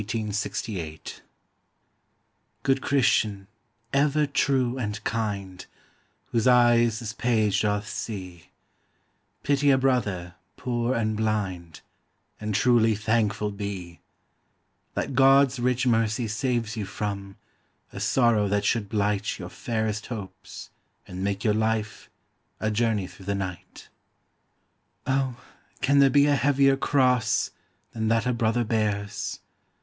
••• Good Christian, ever true and kind, AVhoso eyes this page doth see, Pity a brother, poor and blind, And truly thankful be— That God's rieh mercy saves you from A sorrow that should blight Your fairest hopes and make your life A journey through the night. Oh, can there be a heavier cross Than that a brother bears?